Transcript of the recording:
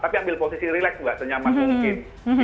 mungkin ambil posisi relax nggak ternyaman mungkin